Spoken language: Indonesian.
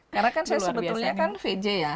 karena kan saya sebetulnya kan vj ya